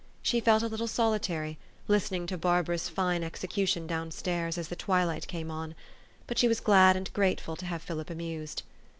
She felt a little solitary, listening to Barbara's fine execution down stairs, as the twilight came on. But she was glad and grateful to have Philip amused.